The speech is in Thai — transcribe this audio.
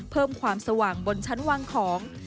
เพิ่มความสว่างบนชั้นวางของ